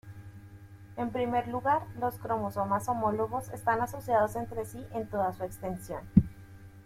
En primer lugar, los cromosomas homólogos están asociados entre sí en toda su extensión.